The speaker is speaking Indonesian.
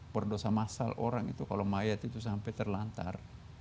berdosa massal orang itu kalau mayat itu sampai terlantar